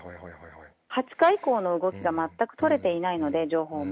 ２０日以降の動きが全く取れていないので、情報も。